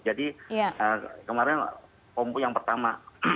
jadi kemarin kombo yang pertama